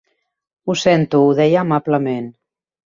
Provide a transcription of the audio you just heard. Ho sento, ho deia amablement.